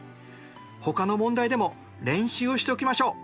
ほかの問題でも練習をしておきましょう。